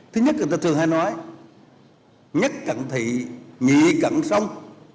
thứ nhất người ta thường hay nói nhất cặn thị nghỉ cặn sông